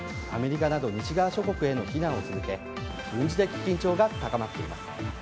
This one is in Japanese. アメリカなど西側諸国への非難を続け軍事的緊張が高まっています。